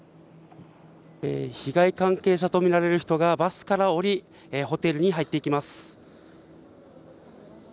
被害関係者と見られる人がバスから降り、ホテルに入っていきます。